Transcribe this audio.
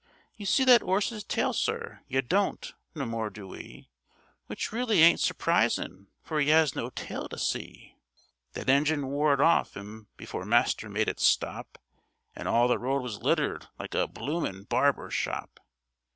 You see that 'orse's tail, sir? You don't! No more do we, Which really ain't surprisin', for 'e 'as no tail to see; That engine wore it off 'im before master made it stop, And all the road was littered like a bloomin' barber's shop.